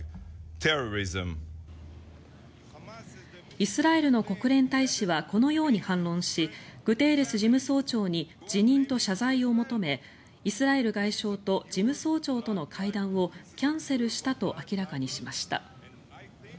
イスラエルの国連大使はこのように反論しグテーレス事務総長に辞任と謝罪を求めイスラエル外相と事務総長との会談をキャンセルしたと明らかにしました。